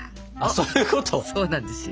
そうなんですよ。